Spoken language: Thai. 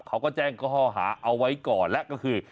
เขาก็แจ้งข้อหาเอาไว้ก่อนแล้วก็คือ